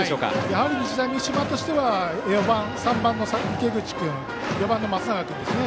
やはり日大三島としては３番の池口君４番の松永君ですね。